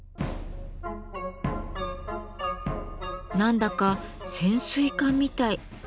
何だか潜水艦みたい。